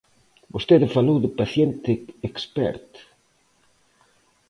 Vostede falou de paciente experto.